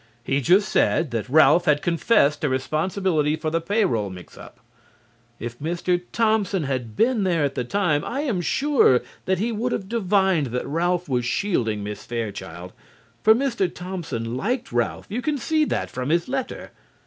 He just said that Ralph had confessed to responsibility for the payroll mix up. If Mr. Thompson had been there at the time I am sure that he would have divined that Ralph was shielding Miss Fairchild, for Mr. Thompson liked Ralph. You can see that from his letter.